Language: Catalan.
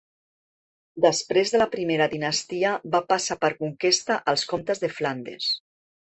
Després de la primera dinastia va passar per conquesta als comtes de Flandes.